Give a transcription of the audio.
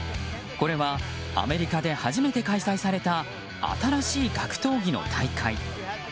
これはアメリカで初めて開催された新しい格闘技の大会。